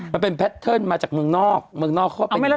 มันเป็นแพทเทิร์นมาจากเมืองนอกเมืองนอกก็เป็นอย่างนี้ไง